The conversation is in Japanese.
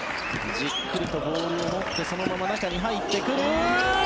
じっくりとボールを持ってそのまま中に入ってくる。